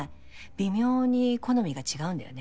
微妙に好みが違うんだよね。